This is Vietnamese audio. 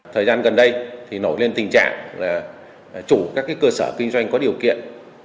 thời gian gần đây thì nổi lên tình trạng là chủ các cơ sở kinh doanh có điều kiện